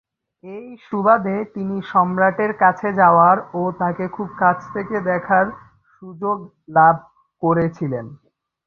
এই সুবাদে তিনি সম্রাটের কাছে যাওয়ার ও তাঁকে খুব কাছ থেকে দেখার সুযোগ লাভ করেছিলেন।